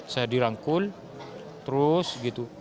saya dirangkul terus gitu